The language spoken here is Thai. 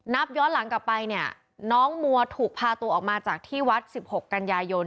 นับย้อนหลังกลับไปเนี่ยน้องมัวถูกพาตัวออกมาจากที่วัด๑๖กันยายน